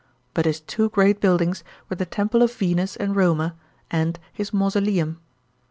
But his t« o great buildings were the temple of Venus and Roma, and his mausoleum.